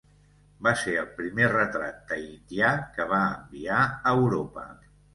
Va ser el primer retrat tahitià que va enviar a Europa.